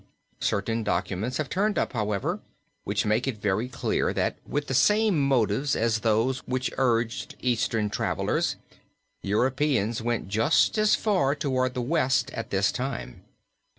Certain documents have turned up, however, which make it very clear that with the same motives as those which urged Eastern travelers, Europeans went just as far towards the West at this time.